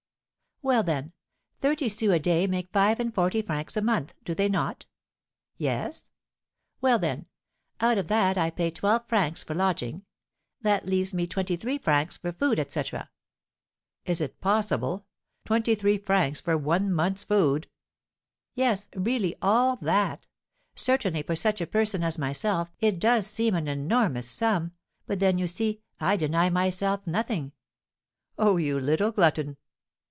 "Well, then, thirty sous a day make five and forty francs a month, do they not?" "Yes." "Well, then, out of that I pay twelve francs for lodging; that leaves me twenty three francs for food, etc." "Is it possible? Twenty three francs for one month's food!" "Yes, really, all that! Certainly, for such a person as myself, it does seem an enormous sum; but then, you see, I deny myself nothing." "Oh, you little glutton!"